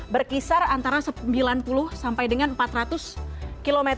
berkisar antara sembilan puluh sampai dengan empat ratus km